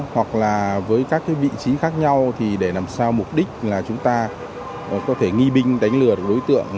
hoặc là với các vị trí khác nhau thì để làm sao mục đích là chúng ta có thể nghi binh đánh lừa được đối tượng